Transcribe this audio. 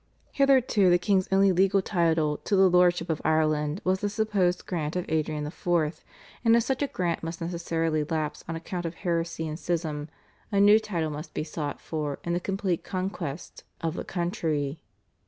Hitherto the king's only legal title to the Lordship of Ireland was the supposed grant of Adrian IV., and as such a grant must necessarily lapse on account of heresy and schism a new title must be sought for in the complete conquest of the country.